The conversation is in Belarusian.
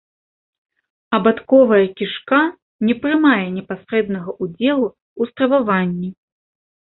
Абадковая кішка не прымае непасрэднага ўдзелу ў страваванні.